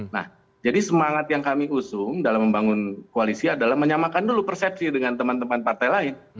nah jadi semangat yang kami usung dalam membangun koalisi adalah menyamakan dulu persepsi dengan teman teman partai lain